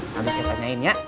habis saya tanyain ya